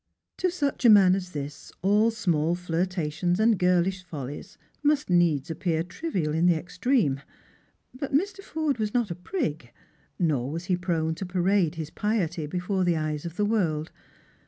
To such a man as this all small flirtations and girlish follies must needs appear trivial in the extreme; but Mr. Forde was not a prig, nor was he prone to parade his piety before the eyes of the world.